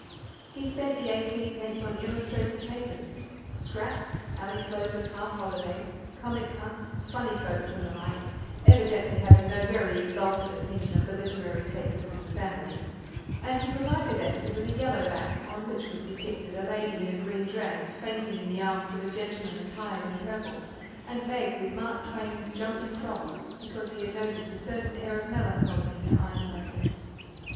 He spent the eighteenpence on illustrated papers Scraps, Ally Sloper's Half Holiday, Comic Cuts, Funny Folks, and the like, evidently having no very exalted opinion of the literary tastes of his family; and he provided Esther with a yellow back on which was depicted a lady in a green dress fainting in the arms of a gentleman attired in purple, and Meg with Mark Twain's "Jumping Frog", because he had noticed a certain air of melancholy in her eyes lately.